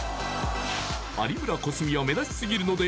有村コスミは目立ちすぎるので